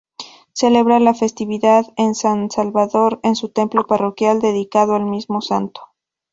Celebra la festividad de San Salvador en su templo parroquial dedicado al mismo santo.